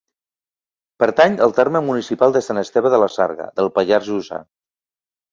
Pertany al terme municipal de Sant Esteve de la Sarga, del Pallars Jussà.